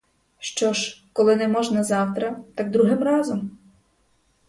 Що ж, коли не можна завтра, так другим разом!